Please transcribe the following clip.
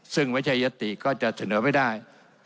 ซึ่งไม่ใช่ยติก็จะเสนอไม่ได้